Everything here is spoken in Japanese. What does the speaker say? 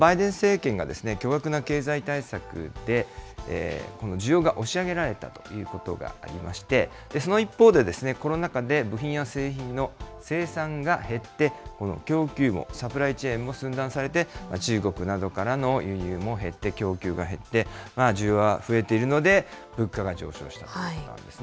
これ、バイデン政権が巨額な経済対策で、この需要が押し上げられたということがありまして、その一方で、コロナ禍で部品や製品の生産が減って、この供給網・サプライチェーンも寸断されて、中国などからの輸入も減って、供給が減って、需要は増えているので、物価が上昇したということなんですね。